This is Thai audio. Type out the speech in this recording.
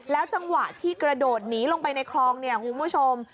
จังหวะที่กระโดดหนีลงไปในคลองเนี่ยคุณผู้ชม